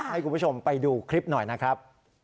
ให้คุณผู้ชมไปดูคลิปหน่อยนะครับ